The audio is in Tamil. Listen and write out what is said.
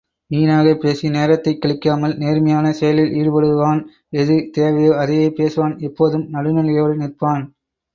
வீணாகப் பேசி நேரத்தைக் கழிக்காமல் நேர்மையான செயலில் ஈடுபடுவான் எது தேவையோ அதையே பேசுவான் எப்போதும் நடுநிலையோடு நிற்பான்.